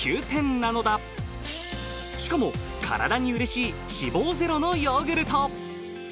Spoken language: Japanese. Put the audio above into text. Ｑ１０なのだしかも体にうれしい脂肪ゼロのヨーグルト